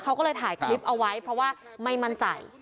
เขาก็เลยถ่ายคลิปเอาไว้เพราะว่าไม่มั่นใจ